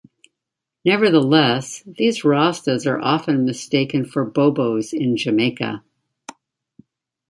Nevertheless, these Rastas are often mistaken for Bobos in Jamaica.